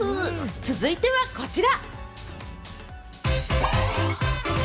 続いてはこちら。